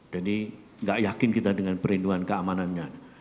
jadi tidak yakin kita dengan perinduan keamanannya